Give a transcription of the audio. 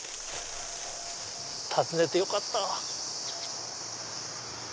訪ねてよかった！